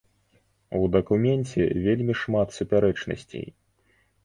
У дакуменце вельмі шмат супярэчнасцей!